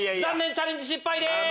チャレンジ失敗です。